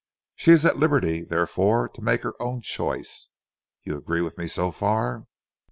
She is at liberty, therefore, to make her own choice. You agree with me so far?"